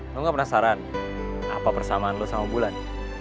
lo gak penasaran apa persamaan lo sama bulan